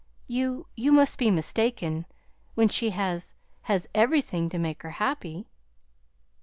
You you must be mistaken when she has has everything to make her happy."